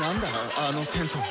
あのテント。